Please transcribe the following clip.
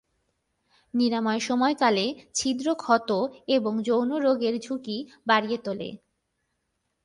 নিরাময় সময়কালে, ছিদ্র ক্ষত এবং যৌন রোগের ঝুঁকি বাড়িয়ে তোলে।